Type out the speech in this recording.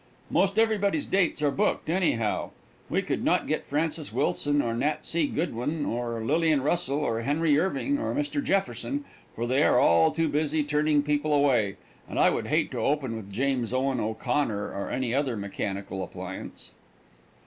Most everybody's dates are booked, anyhow. We could not get Francis Wilson or Nat C. Goodwin or Lillian Russell or Henry Irving or Mr. Jefferson, for they are all too busy turning people away, and I would hate to open with James Owen O'Connor or any other mechanical appliance.